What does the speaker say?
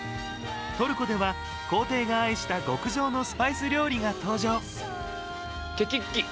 トルコでは皇帝が愛した極上のスパイス料理が登場。